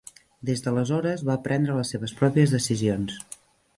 Des d'aleshores, va prendre les seves pròpies decisions.